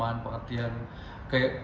tapi kami membina dalam artian